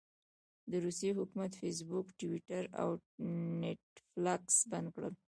د روسيې حکومت فیسبوک، ټویټر او نیټفلکس بند کړل.